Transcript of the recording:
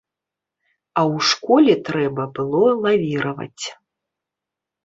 А ў школе трэба было лавіраваць.